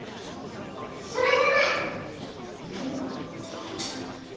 それじゃない！え？